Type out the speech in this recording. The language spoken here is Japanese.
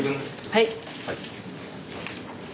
はい。